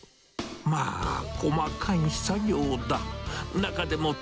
まあ、細かい作業だ。